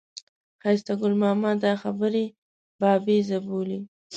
ښایسته ګل ماما دا خبرې بابیزه بولي.